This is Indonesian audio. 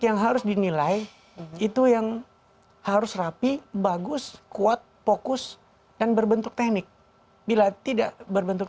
yang harus dinilai itu yang harus rapi bagus kuat fokus dan berbentuk teknik bila tidak berbentuk